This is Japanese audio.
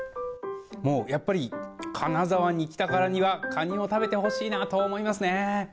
やっぱり金沢に来たからにはカニを食べてほしいなと思いますね。